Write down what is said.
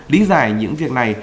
lý giải những việc này